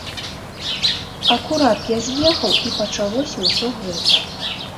Акурат я з'ехаў, і пачалося ўсё гэта.